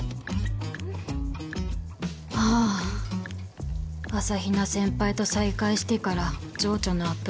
はあ朝日奈先輩と再会してから情緒のアップ